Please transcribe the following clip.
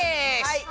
はい。